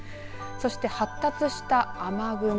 そして発達した雨雲